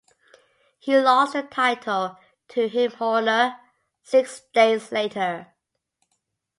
He lost the title to Tim Horner six days later.